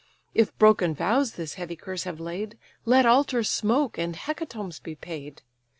If broken vows this heavy curse have laid, Let altars smoke, and hecatombs be paid.